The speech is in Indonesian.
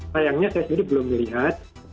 sayangnya saya sendiri belum melihat